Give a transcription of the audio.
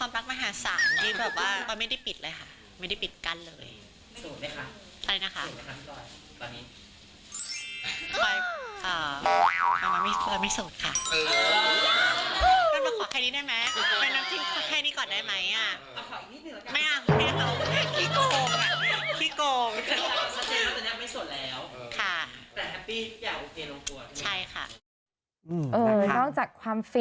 บ๊ายพลังแท้สาม